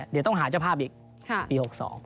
เดี๋ยวต้องหาเจ้าภาพอีกปี๖๒